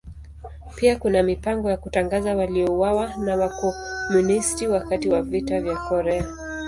Pia kuna mipango ya kutangaza waliouawa na Wakomunisti wakati wa Vita vya Korea.